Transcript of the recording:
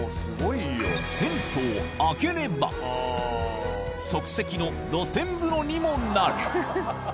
テントを開ければ即席の露天風呂にもなる